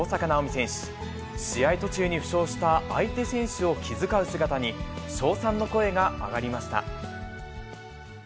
途中に負傷した相手選手を気遣う姿に、称賛の声が上がりました。